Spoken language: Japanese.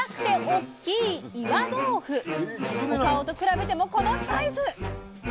お顔と比べてもこのサイズ！